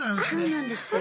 そうなんです。